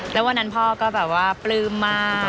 แล้ววันนั้นพ่อก็แบบว่าปลื้มมาก